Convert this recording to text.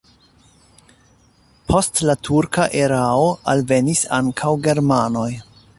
Post la turka erao alvenis ankaŭ germanoj.